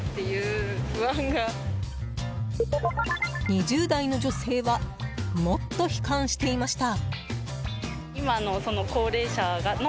２０代の女性はもっと悲観していました。